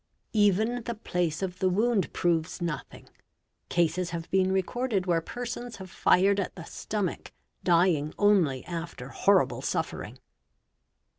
Even the place of the wound proves nothing; es have been recorded where persons have fired at the stomach, dying Baty after horrible suffering *.